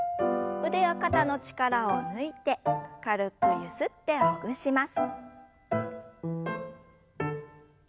腕や肩の力を抜いて軽くゆすってほぐします。